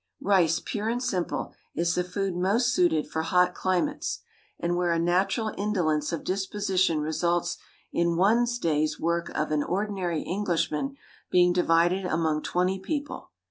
Rice, pure and simple, is the food most suited for hot climates and where a natural indolence of disposition results in one's day's work of an ordinary Englishman being divided among twenty people.